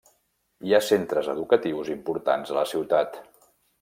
Hi ha centres educatius importants a la ciutat.